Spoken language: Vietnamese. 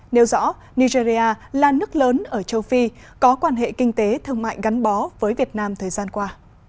nêu rõ nigeria là nước lớn ở châu phi có quan hệ kinh tế thương mại gắn bó với việt nam thời gian qua